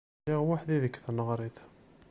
Lliɣ weḥd-i deg tneɣrit.